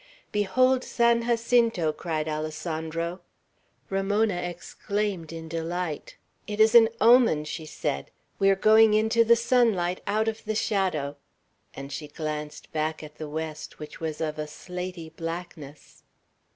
"Behold San Jacinto!" cried Alessandro. Ramona exclaimed in delight. "It is an omen!" she said. "We are going into the sunlight, out of the shadow;" and she glanced back at the west, which was of a slaty blackness.